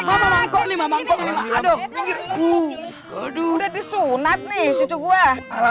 masa ini tadi reza lagi susah